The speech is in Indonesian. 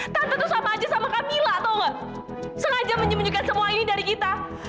tante tuh sama aja sama kamila tau nggak sengaja menyembunyikan semua ini dari kita